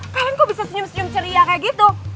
kalian kok bisa senyum senyum ceria kayak gitu